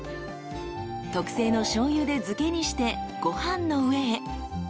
［特製のしょうゆで漬けにしてご飯の上へ］